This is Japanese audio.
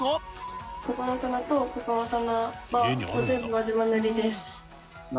ここの棚とここの棚は全部輪島塗です。